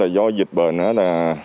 do dịch bệnh